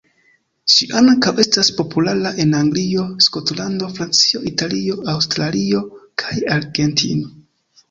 Ĝi ankaŭ estas populara en Anglio, Skotlando, Francio, Italio, Aŭstralio, kaj Argentino.